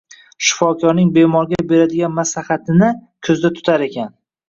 shifokorning bemorga beradigan maslahati»ni ko‘zda tutar ekan.